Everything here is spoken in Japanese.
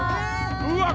うわ。